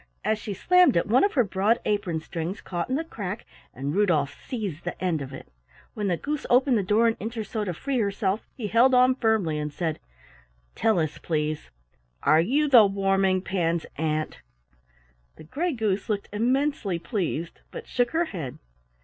As she slammed it one of her broad apron strings caught in the crack, and Rudolf seized the end of it. When the Goose opened the door an inch or so to free herself he held on firmly and said: "Tell us, please, are you the Warming pan's aunt?" The Gray Goose looked immensely pleased, but shook her head.